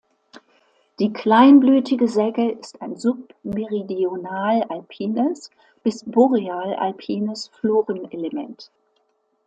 Die Kleinblütige Segge ist ein submeridional-alpines bis boreal-alpines Florenelement.